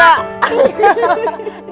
gak kena lagi